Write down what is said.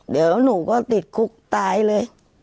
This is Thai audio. เดี๋ยวหนูก็ติดคุกตายเลย